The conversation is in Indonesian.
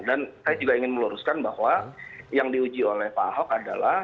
dan saya juga ingin meluruskan bahwa yang diuji oleh pak ahok adalah